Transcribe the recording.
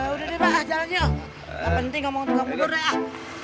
udah deh pak jalan yuk nggak penting ngomong tuh kamu juga udah ah